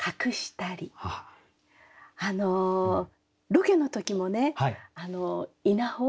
ロケの時もね稲穂